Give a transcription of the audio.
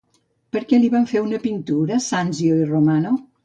Per què li van fer una pintura Sanzio i Romano?